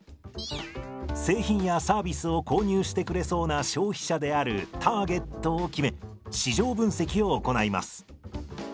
製品やサービスを購入してくれそうな消費者であるターゲットを決め市場分析を行います。